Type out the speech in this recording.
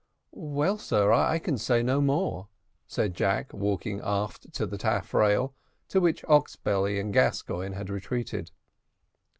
"Well, sir, I can say no more," said Jack, walking aft to the taffrail, to which Oxbelly and Gascoigne had retreated.